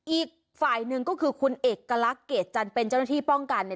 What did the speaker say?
อีกฝ่ายนึงคือคุณเอกกระละเกตจันเป็นเจ้าหน้าที่ป้องกัน